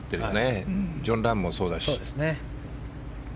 ジョン・ラームもそうだし。